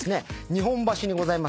日本橋にございます